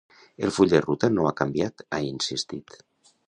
El full de ruta no ha canviat, ha insistit.